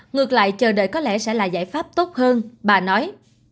ngược lại chờ đợi có lẽ sẽ là giải pháp tốt hơn bà nói